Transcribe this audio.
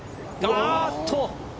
あーっと！